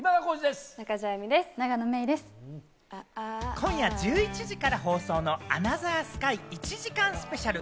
今夜１１時から放送の『アナザースカイ』１時間スペシャル。